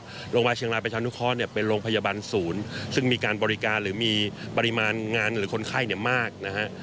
โรงพยาบาลเชียงรายประชานุเคราะห์เนี่ยเป็นโรงพยาบาลศูนย์ซึ่งมีการบริการหรือมีปริมาณงานหรือคนไข้เนี่ยมากนะฮะ